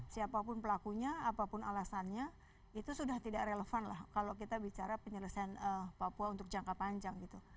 siapapun pelakunya apapun alasannya itu sudah tidak relevan lah kalau kita bicara penyelesaian papua untuk jangka panjang gitu